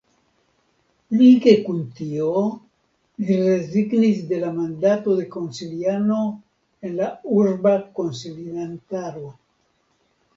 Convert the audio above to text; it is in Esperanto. Lige kun tio li rezignis de la mandato de konsiliano en la Urba Konsilantaro.